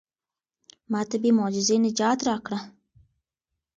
ما ته بې معجزې نجات راکړه.